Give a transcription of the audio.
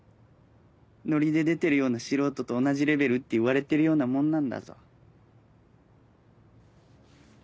ノリで出てるような素人と同じレベルって言われてるようなもんなんだぞ。